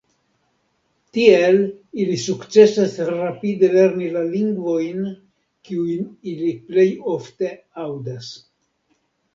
Tiel ili sukcesas rapide lerni la lingvojn, kiujn ili plej ofte aŭdas.